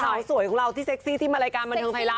สาวสวยของเราที่เซ็กซี่ที่มารายการบันเทิงไทยรัฐ